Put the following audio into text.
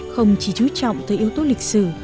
không chỉ trú trọng tới yếu tố lịch sử